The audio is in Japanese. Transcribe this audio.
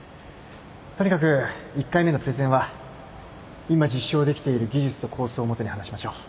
とにかく１回目のプレゼンは今実証できている技術と構想をもとに話しましょう。